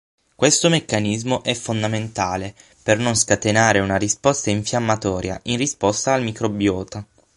Questo meccanismo è fondamentale per non scatenare una risposta infiammatoria in risposta al microbiota.